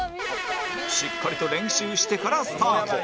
しっかりと練習してからスタート